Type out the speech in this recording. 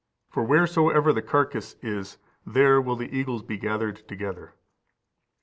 For wheresoever the carcase is, there will the eagles be gathered together."15481548 Matt.